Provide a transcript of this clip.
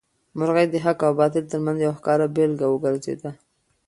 مرغۍ د حق او باطل تر منځ یو ښکاره بېلګه وګرځېده.